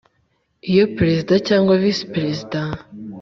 Iyo Perezida cyangwa Visi Perezida